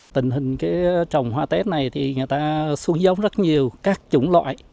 tình hình trồng hoa tết này thì người ta xuống giống rất nhiều các chủng loại